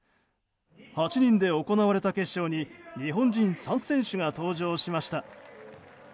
８人で行われた決勝に日本人３選手が登場しました。